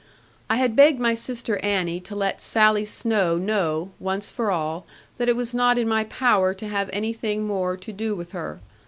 I had begged my sister Annie to let Sally Snowe know, once for all, that it was not in my power to have any thing more to do with her.